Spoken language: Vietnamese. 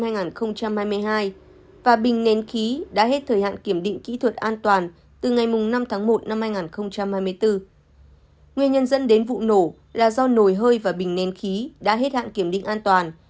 nguyên nhân dẫn đến vụ nổ là do nồi hơi và bình nén khí đã hết hạn kiểm định an toàn